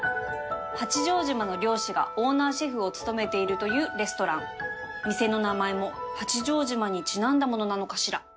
八丈島の漁師がオーナーシェフを務めているというレストラン店の名前も八丈島にちなんだものなのかしら？